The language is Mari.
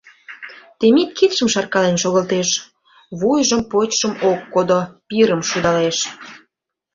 Темит кидшым шаркален шогылтеш, вуйжым-почшым ок кодо, пирым шудалеш.